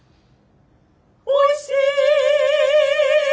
おいしい！